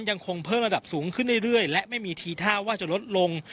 ยังคงเพิ่มระดับสูงขึ้นเรื่อยและไม่มีทีท่าว่าจะลดลง